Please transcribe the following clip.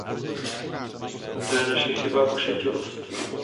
To je naše chyba a pošetilost.